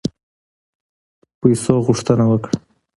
پیسو غوښتنه وکړه.